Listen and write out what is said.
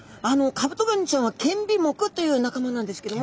カブトガニちゃんは剣尾目という仲間なんですけども。